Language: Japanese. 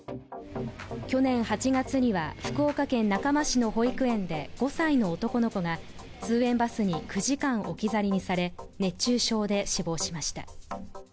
去年８月には、福岡県中間市の保育園で５歳の男の子が通園バスに９時間置き去りにされ熱中症で死亡しました。